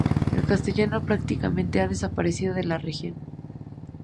El castellano prácticamente ha desaparecido de la región.